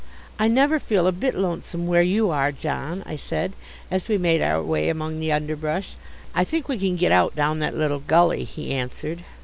"I never feel a bit lonesome where you are, John," I said, as we made our way among the underbrush. "I think we can get out down that little gully," he answered.